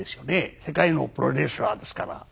世界のプロレスラーですから。